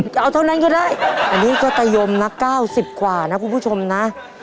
จะเอาเท่านั้นก็ได้อันนี้ก็ตะยมนะ๙๐กว่านะคุณผู้ชมนะ